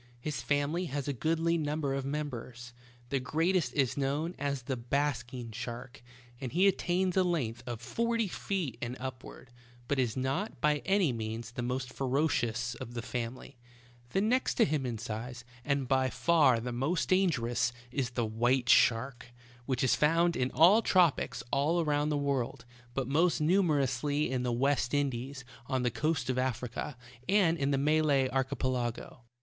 His family has a goodly number of members. The greatest is known as the ''basking shark," and he attains a length of forty feet and upward, but is not, by any means, the most ferocious of the fam ily. The next to him in size, and by far the most dangerous, is the white shark, which is found in the tropics all around the world, but most numer ously in the West Indies, on the coast of Africa, and in the Malay Archipelago.